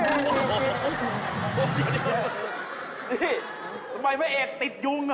นี่ทำไมเมื่อเอกติดยุงเหรอ